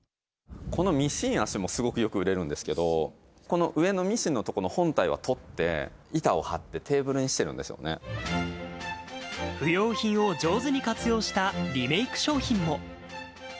このミシン脚もよく売れるんですけど、この上のミシンのとこの本体は取って、板をはって、不用品を上手に活用したリメーク商品も。